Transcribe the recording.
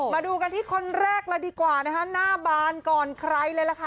มาดูกันที่คนแรกเลยดีกว่านะคะหน้าบานก่อนใครเลยล่ะค่ะ